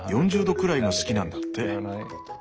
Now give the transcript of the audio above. ４０度くらいが好きなんだって。